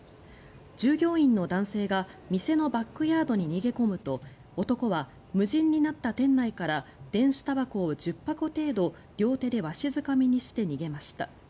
従業員の男性が店のバックヤードに逃げ込むと男は無人になった店内から電子たばこを１０箱程度両手でわしづかみにして逃げました。